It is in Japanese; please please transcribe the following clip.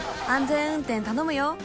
安全運転頼むよ。